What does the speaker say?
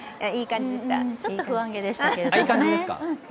ちょっと不安げでした。